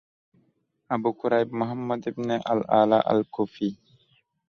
Abu Kurayb Muhammad ibn al Ala al-Kufi